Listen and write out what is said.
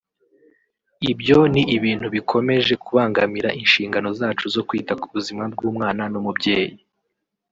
ibyo ni ibintu bikomeje kubangamira inshingano zaco zu kwita ku buzima bw’umwana n’umubyeyi”